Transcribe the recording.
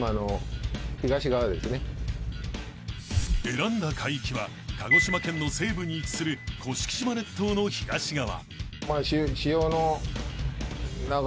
［選んだ海域は鹿児島県の西部に位置する甑島列島の東側］